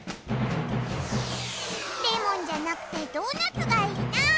レモンじゃなくてドーナツがいいな。